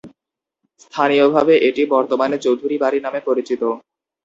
স্থানীয়ভাবে এটি বর্তমানে চৌধুরী বাড়ি নামে পরিচিত।